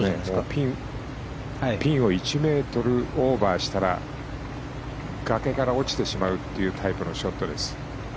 ピンを１ｍオーバーしたら崖から落ちてしまうというタイプのショットです。